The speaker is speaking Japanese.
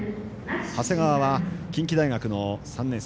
長谷川は近畿大学の３年生。